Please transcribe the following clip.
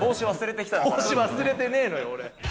帽子忘れてねえのよ、俺。